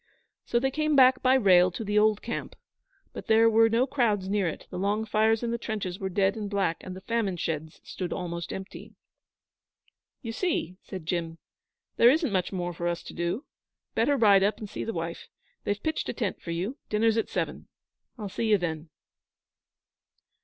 So they came back by rail to the old camp; but there were no crowds near it, the long fires in the trenches were dead and black, and the famine sheds stood almost empty. 'You see!' said Jim. 'There isn't much more for us to do. Better ride up and see the wife. They've pitched a tent for you. Dinner's at seven. I'll see you then.'